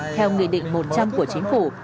theo nghị định một trăm linh của chính phủ